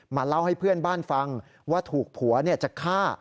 เล่าให้เพื่อนบ้านฟังว่าถูกผัวจะฆ่า